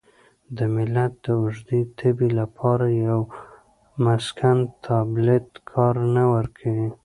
د ملت د اوږدې تبې لپاره د یوه مسکن تابلیت کار نه ورکوي.